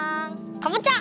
かぼちゃ！